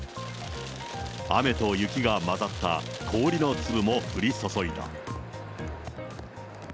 雨と雪が交ざった氷の粒も降り注いだ。